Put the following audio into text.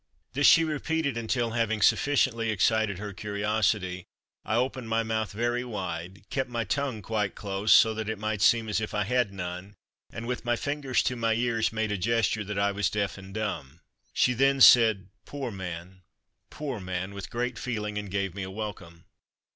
This she repeated until, having sufficiently excited her curiosity, I opened my mouth very wide, kept my tongue quite close so that it might seem as if I had none, and with my fingers to my ears made a gesture that I was deaf and dumb. She then said, "Poor man, poor man," with great feeling and gave me a welcome.